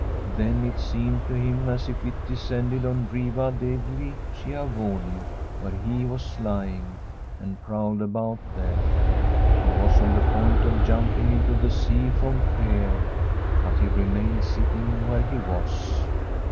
Then it seemed to him as if it descended on Riva degli Schiavoni, where he was lying, and prowled about there. He was on the point of jumping into the sea from fear, but he remained sitting where he was.